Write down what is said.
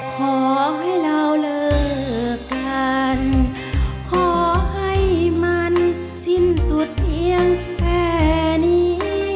ขอให้เราเลิกกันขอให้มันสิ้นสุดเพียงแค่นี้